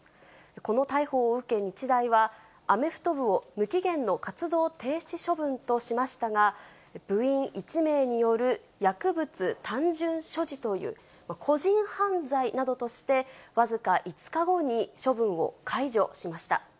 この逮捕を受け、日大はアメフト部を無期限の活動停止処分としましたが、部員１名による薬物単純所持という個人犯罪などとして、僅か５日後に処分を解除しました。